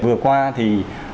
vừa qua thì